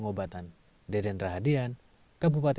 kondisinya masih masih masih berbicara